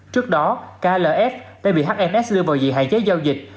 trước đó klf đã bị hns đưa vào dị hại chế giao dịch